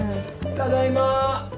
ただいま。